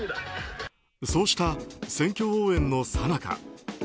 そうした選挙応援のさなか